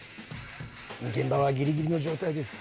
現場はギリギリの状態です。